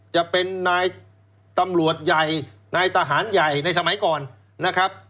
จะเป็นนายตำรวจใหญ่นายทหารใหญ่ในสมัยก่อนนะครับ